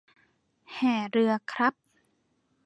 แห่เรือครับ